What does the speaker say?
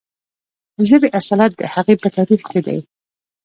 د ژبې اصالت د هغې په تاریخ کې دی.